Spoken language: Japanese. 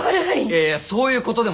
いやいやそういうことでもない。